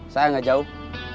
saya gak jauh